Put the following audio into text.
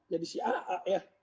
jadi si aa ya